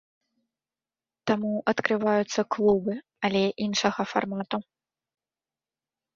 Таму адкрываюцца клубы, але іншага фармату.